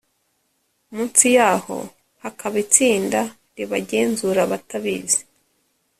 munsi yaho hakaba itsinda ribagenzura batabizi